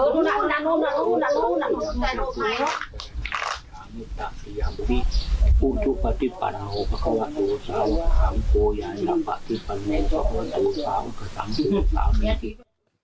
คุณผู้ชมเขาบอกว่ารูกสาวนี่